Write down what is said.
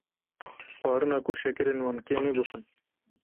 Xwarina ku şekîrên wan kêm e bixwin,.